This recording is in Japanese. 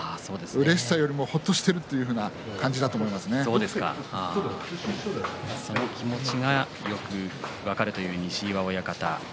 うれしさよりもほっとしているという感じだとその気持ちがよく分かるという西岩親方。